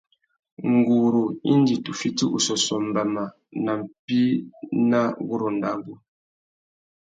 Nguru indi tu fiti ussôssô mbama nà mpí nà wurrôndô abú.